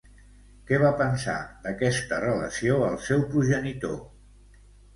Què va pensar d'aquesta relació el seu progenitor?